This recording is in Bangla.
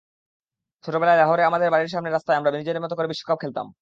ছোটবেলায় লাহোরে আমাদের বাড়ির সামনের রাস্তায় আমরা নিজেদের মতো করে বিশ্বকাপ খেলতাম।